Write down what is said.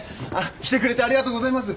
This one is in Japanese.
来てくれてありがとうございます。